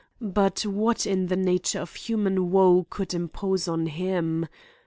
But what in the nature of human woe could impose on him?